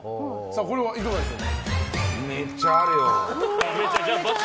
これはいかがでしょう？×？